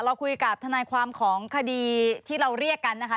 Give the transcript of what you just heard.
เราคุยกับทนายความของคดีที่เราเรียกกันนะคะ